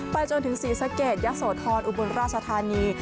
จนถึงศรีสะเกดยะโสธรอุบลราชธานี